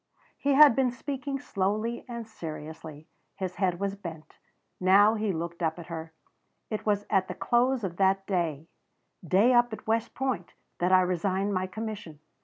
He had been speaking slowly and seriously; his head was bent. Now he looked up at her. "It was at the close of that day day up at West Point that I resigned my commission.